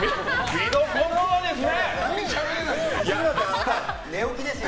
見どころはですね